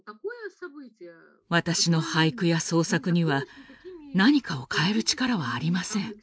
私の俳句や創作には何かを変える力はありません。